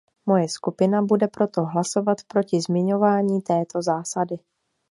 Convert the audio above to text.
Moje skupina bude proto hlasovat proti zmiňování této zásady.